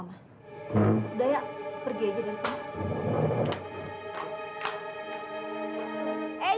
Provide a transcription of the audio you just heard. udah ya pergi aja dari sana